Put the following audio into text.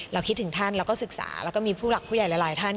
คิดถึงท่านแล้วก็ศึกษาแล้วก็มีผู้หลักผู้ใหญ่หลายท่าน